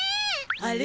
あれ？